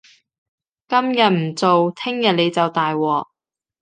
今日唔做，聽日你就大鑊